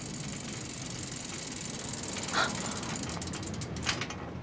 あっ。